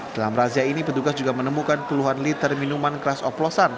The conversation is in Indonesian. dalam razia ini petugas juga menemukan puluhan liter minuman keras oplosan